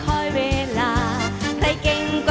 ก็จะมีความสุขมากกว่าทุกคนค่ะ